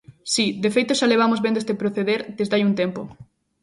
Si, de feito xa levamos vendo este proceder desde hai un tempo.